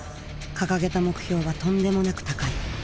掲げた目標はとんでもなく高い。